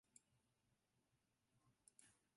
彗发的成分通常是冰与尘埃。